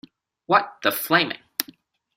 What the flaming.